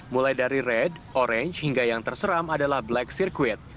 mulai dari red orange hingga yang terseram adalah black circuit